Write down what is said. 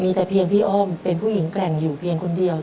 มีแต่เพียงพี่อ้อมเป็นผู้หญิงแกร่งอยู่เพียงคนเดียว